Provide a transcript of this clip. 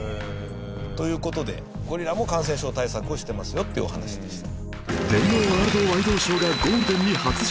という事でゴリラも感染症対策をしてますよっていうお話でした。